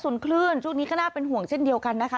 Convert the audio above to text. ส่วนคลื่นช่วงนี้ก็น่าเป็นห่วงเช่นเดียวกันนะคะ